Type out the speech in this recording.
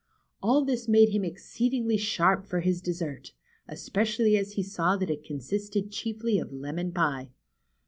All this made him exceedingly sharp for his dessert, especially as he saw that it consisted chiefly of lemon pie.